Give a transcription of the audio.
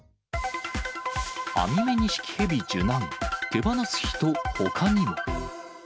アミメニシキヘビ受難、手放す人ほかにも。